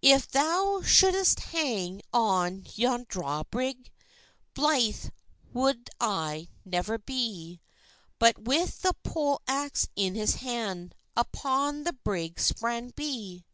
"If thou shou'dst hang on yon draw brig, Blythe wou'd I never be." But, with the poll axe in his hand, Upon the brig sprang be.